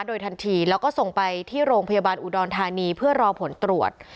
โดยทันทีแล้วก็ส่งไปที่โรงพยาบาลอุดรธานีเพื่อรอผลตรวจ